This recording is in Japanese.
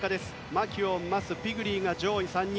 マキュオン、マス、ピグリーが上位３人。